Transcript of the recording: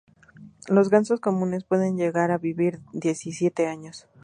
Los gansos comunes pueden llegar a vivir diecisiete años.